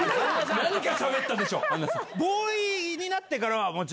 何かしゃべったでしょ？